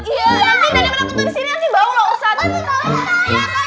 iya nanti dari mana ketut disini pasti bau loh ustadz